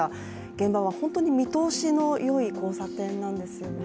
現場は本当に見通しのよい交差点なんですよね。